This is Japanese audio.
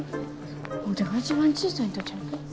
ワテが一番小さいんとちゃうか？